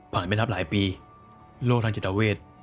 ไม่นับหลายปีโรคทางจิตเวท